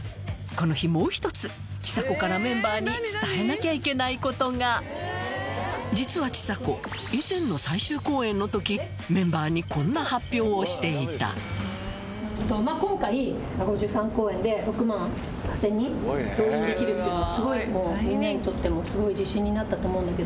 この日もう一つちさ子からメンバーに伝えなきゃいけないことが実はちさ子以前の最終公演の時メンバーにできるっていうのは。